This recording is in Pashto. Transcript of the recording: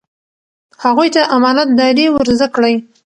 هغوی ته امانت داري ور زده کړئ.